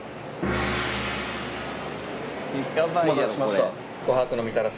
お待たせしました。